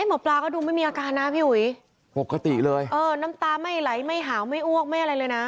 หมอปลาก็ดูไม่มีอาการนะพี่อุ๋ยปกติเลยเออน้ำตาไม่ไหลไม่หาวไม่อ้วกไม่อะไรเลยนะ